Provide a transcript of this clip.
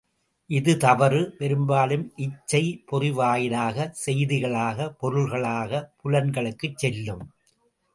இது தவறு, பெரும்பாலும் இச்சை, பொறிவாயிலாகச் செய்திகளாக, பொருள்களாகப் புலன்களுக்குச் செல்லும்.